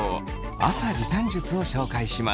朝時短術を紹介します。